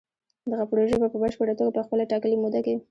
دغه پروژې به په پشپړه توګه په خپله ټاکلې موده کې